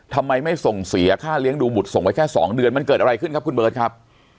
ทำไมไม่ส่งเสียค่าเลี้ยงดูบุตรส่งไว้แค่๒เดือนมันเกิดอะไรขึ้นครับคุณเบิร์ตครับ